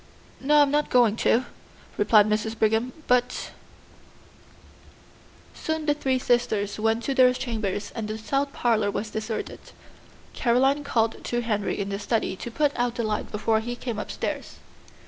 "No, I'm not going to," replied Mrs. Brigham; "but " Soon the three sisters went to their chambers and the south parlor was deserted. Caroline called to Henry in the study to put out the light before he came upstairs.